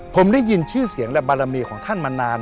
ผมได้ยินชื่อเสียงและบารมีของท่านมานาน